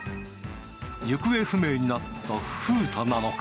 行方不明になったふうたなのか。